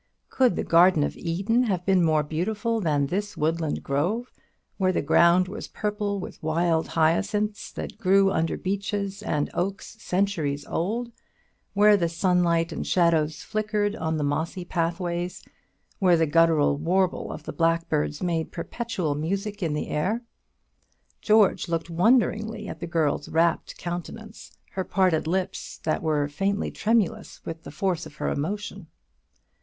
Could the Garden of Eden have been more beautiful than this woodland grove? where the ground was purple with wild hyacinths that grew under beeches and oaks centuries old; where the sunlight and shadows flickered on the mossy pathways; where the guttural warble of the blackbirds made perpetual music in the air. George looked wonderingly at the girl's rapt countenance, her parted lips, that were faintly tremulous with the force of her emotion.